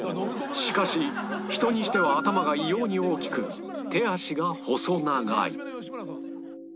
しかし人にしては頭が異様に大きく手足が細長い